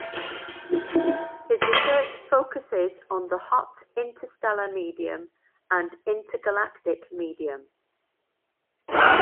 His research focuses on the hot interstellar medium and intergalactic medium.